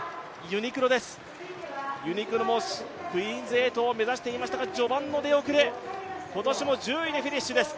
ユニクロもクイーンズ８を目指していましたが序盤の出遅れ、今年も１０位でフィニッシュです。